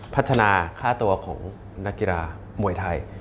พัฒนาค่าตัวของนักกีฬามวยไทย